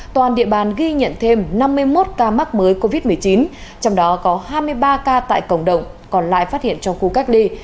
toàn địa bàn ghi nhận thêm năm mươi một ca mắc mới covid một mươi chín trong đó có hai mươi ba ca tại cộng đồng còn lại phát hiện trong khu cách ly